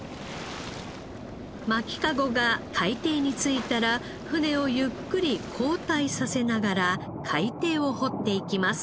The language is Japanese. まきカゴが海底に着いたら船をゆっくり後退させながら海底を掘っていきます。